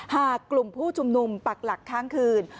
หากกลุ่มผู้ชุมนุมปักหลักค้างคืน